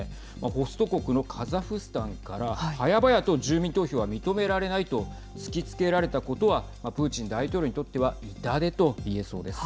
ホスト国のカザフスタンから早々と住民投票は認められないと突きつけられたことはプーチン大統領にとっては痛手と言えそうです。